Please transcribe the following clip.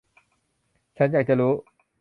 ฉันอยากจะรู้.